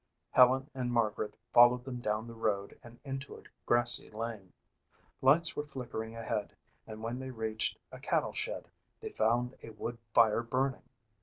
Helen and Margaret followed them down the road and into a grassy lane. Lights were flickering ahead and when they reached a cattle shed they found a wood fire burning.